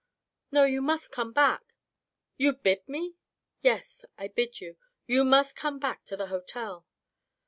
" No, you must come back." "You bid me?" " Yes, I bid you. You must come back to the hotel."